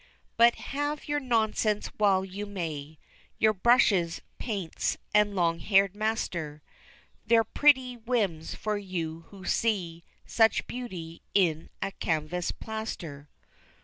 But have your nonsense while you may, Your brushes, paints, and long haired master, They're pretty whims for you who see Such beauty in a canvas plaster.